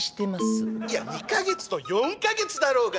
いや２か月と４か月だろうが！